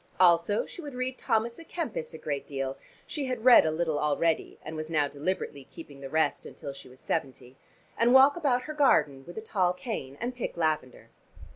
Also she would read Thomas à Kempis a great deal, she had read a little already, and was now deliberately keeping the rest until she was seventy and walk about her garden with a tall cane and pick lavender.